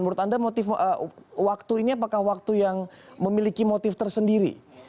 menurut anda motif waktu ini apakah waktu yang memiliki motif tersendiri